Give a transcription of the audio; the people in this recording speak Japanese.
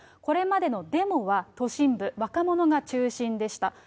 これまでのデモは都心部、若者が中心でした。